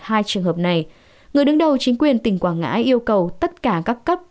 hai trường hợp này người đứng đầu chính quyền tỉnh quảng ngãi yêu cầu tất cả các cấp